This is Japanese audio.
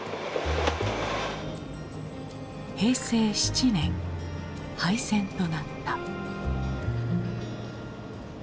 平成７年廃線となった。